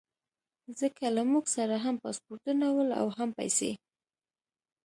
ځکه له موږ سره هم پاسپورټونه ول او هم پیسې.